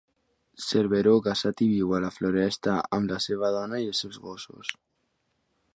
Cerveró casat i viu a la Floresta amb la seva dona i els seus gossos.